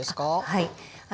はい。